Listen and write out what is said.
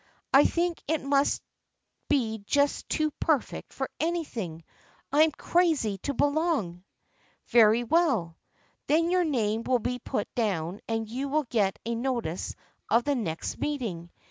" I think it must be just too perfect for anything. I am crazy to belong." "Very well. Then your name will be put down and you will get a notice of the next meet ing.